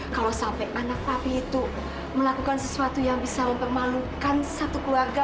kalau sampai anak papi itu melakukan sesuatu yang bisa mempermalukan satu keluarga